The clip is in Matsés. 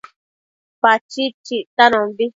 Pachid chictanombi